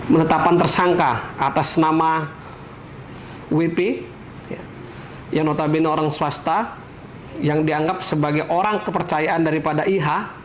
menetapkan tersangka atas nama wp yang notabene orang swasta yang dianggap sebagai orang kepercayaan daripada iha